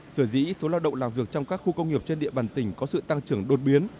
sở dĩ số lao động làm việc trong các khu công nghiệp trên địa bàn tỉnh có sự tăng trưởng đột biến